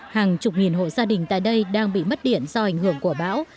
hàng chục nghìn hộ gia đình tại đây đang bị mất điện do ảnh hưởng của bão